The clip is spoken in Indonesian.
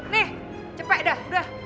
nih cepet dah udah